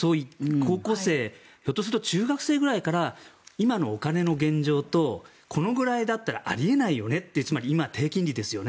高校生、ひょっとすると中学生くらいから今のお金の現状とこのぐらいだったらあり得ないよねと今、低金利ですよね。